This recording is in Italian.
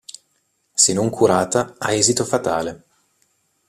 Se non curata, ha esito fatale.